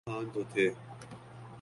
عمران خان تو تھے۔